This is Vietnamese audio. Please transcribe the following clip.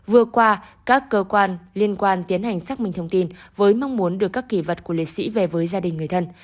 vừa qua các cơ quan liên quan tiến hành xác minh thông tin với mong muốn đưa các kỳ vật của liệt sĩ về với gia đình người thân